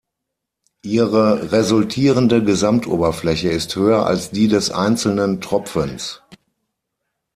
Ihre resultierende Gesamtoberfläche ist höher als die des einzelnen Tropfens.